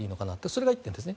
それが１点です。